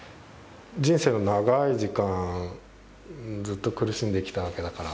人生の長い時間、ずっと苦しんできたわけだから。